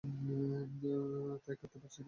তাই, কাঁদতে পারছি না।